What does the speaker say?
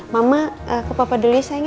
mama ke papa delis sayang ya